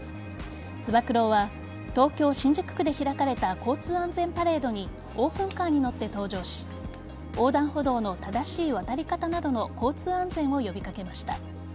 つば九郎は東京・新宿区で開かれた交通安全パレードにオープンカーに乗って登場し横断歩道の正しい渡り方などの交通安全を呼び掛けました。